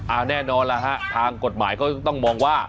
เอาแน่นอนแล้วฮะทางกฎหมายเขาก็ต้องมองว่า